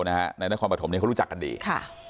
ในนครปฐหมฯรู้จักกันดี